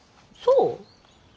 そう？